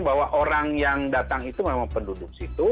bahwa orang yang datang itu memang penduduk situ